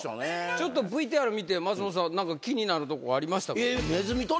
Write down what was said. ちょっとＶＴＲ見て松本さん気になるとこがありましたか？